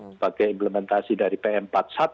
sebagai implementasi dari pm empat puluh satu